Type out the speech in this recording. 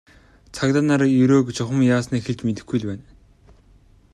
Цагдаа нар Ерөөг чухам яасныг хэлж мэдэхгүй байна.